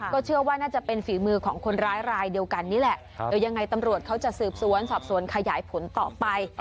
ก็เชื่อว่าน่าจะเป็นฝีมือของคนร้ายรายเดียวกันนี่แหละเดี๋ยวยังไงตำรวจเขาจะสืบสวนสอบสวนขยายผลต่อไป